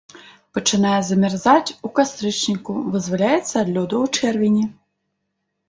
Пачынае замярзаць у кастрычніку, вызваляецца ад лёду ў чэрвені.